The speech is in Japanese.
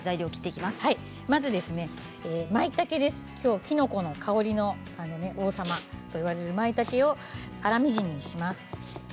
きのこの香りの王様といわれるまいたけを粗みじんにします。